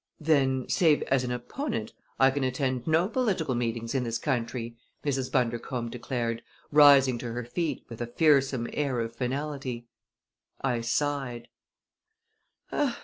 "Then, save as an opponent, I can attend no political meetings in this country," Mrs. Bundercombe declared, rising to her feet with a fearsome air of finality. I sighed.